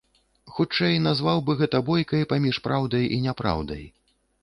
Хутчэй, назваў бы гэта бойкай паміж праўдай і няпраўдай.